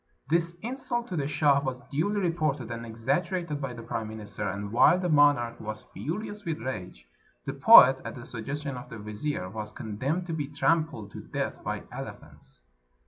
This insult to the shah was duly reported and exag gerated by the prime minister, and while the monarch was furious with rage, the poet, at the suggestion of the vizier, was condemned to be trampled to death by elephants.